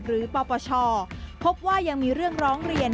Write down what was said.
ปปชพบว่ายังมีเรื่องร้องเรียน